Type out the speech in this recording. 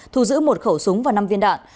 thu giữ một khẩu súng và năm viên đạn